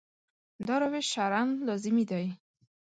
دا روش شرعاً لازمي دی.